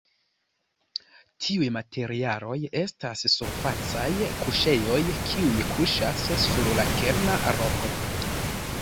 Tiuj materialoj estas surfacaj kuŝejoj kiuj kuŝas sur la kerna roko.